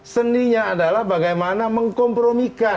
seninya adalah bagaimana mengkompromikan